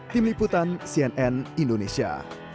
tim liputan cnn indonesia